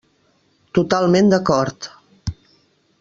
Totalment d'acord.